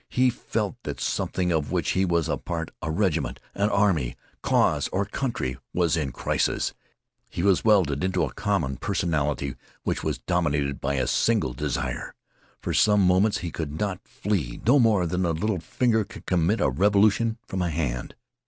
He felt that something of which he was a part a regiment, an army, a cause, or a country was in a crisis. He was welded into a common personality which was dominated by a single desire. For some moments he could not flee no more than a little finger can commit a revolution from a hand.